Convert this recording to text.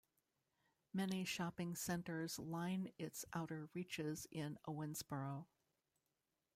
Many shopping centers line its outer reaches in Owensboro.